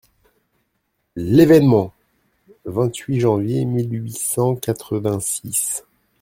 L'ÉVÉNEMENT, vingt-huit janvier mille huit cent quatre-vingt-six.